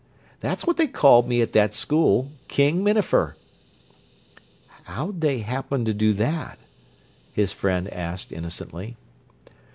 That was what they called me at that school, 'King Minafer." "How'd they happen to do that?" his friend asked innocently.